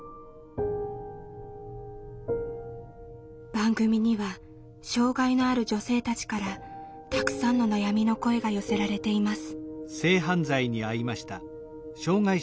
番組には障害のある女性たちからたくさんの悩みの声が寄せられています。